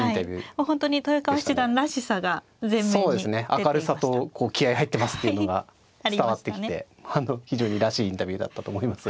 明るさとこう気合い入ってますっていうのが伝わってきて非常にらしいインタビューだったと思います。